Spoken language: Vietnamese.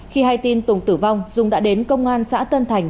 khi hay tin tùng tử vong dung đã đến công an xã tân thành